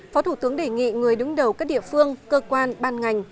phó thủ tướng đề nghị người đứng đầu các địa phương cơ quan ban ngành